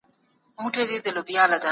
هر دولت پنځه بېلابېل پړاوونه وهي.